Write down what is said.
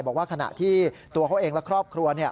บอกว่าขณะที่ตัวเขาเองและครอบครัว